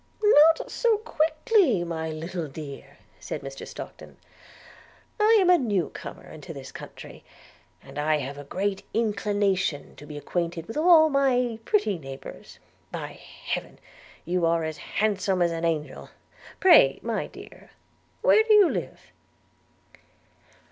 'Not so quickly, my little dear,' said Mr Stockton; 'I am a new comer into this country, and have a great inclination to be acquainted with all my pretty neighbours – By Heaven, you are as handsome as an angel – Pray, my dear, where do you live?'